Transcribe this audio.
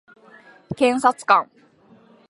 検察官